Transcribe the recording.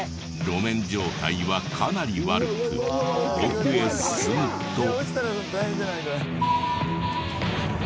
路面状態はかなり悪く奥へ進むと。